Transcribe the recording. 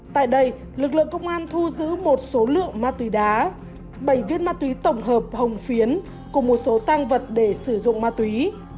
tại đây lực lượng công an thu giữ một số lượng ma túy đá bảy viên ma túy tổng hợp hồng phiến cùng một số tăng vật để sử dụng ma túy